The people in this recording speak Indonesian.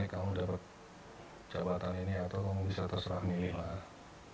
kamu dapat jabatan ini atau kamu bisa terserah milih lah